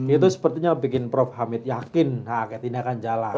itu sepertinya bikin prof hamid yakin hak angket ini akan jalan